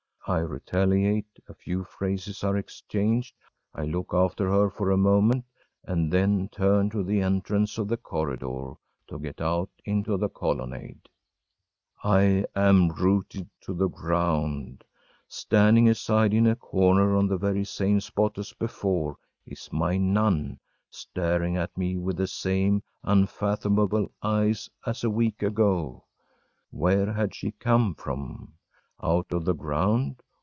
I retaliate a few phrases are exchanged I look after her for a moment and then turn to the entrance of the corridor, to get out into the colonnade. I am rooted to the ground! Standing aside in a corner, on the very same spot as before, is my nun, staring at me with the same unfathomable eyes as a week ago! Where had she come from? Out of the ground?